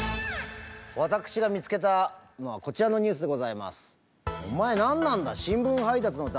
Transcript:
私が見つけたのはこちらのニュースでございます。